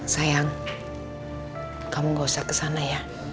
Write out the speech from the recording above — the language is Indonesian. sayang kamu gak usah kesana ya